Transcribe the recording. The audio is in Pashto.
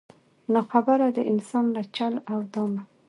نا خبره د انسان له چل او دامه